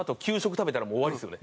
食べたらもう終わりですよね。